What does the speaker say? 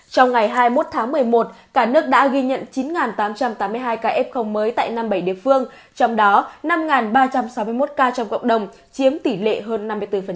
trong ngày hai mươi một tháng một mươi một cả nước đã ghi nhận chín tám trăm tám mươi hai ca f mới tại năm mươi bảy địa phương trong đó năm ba trăm sáu mươi một ca trong cộng đồng chiếm tỷ lệ hơn năm mươi bốn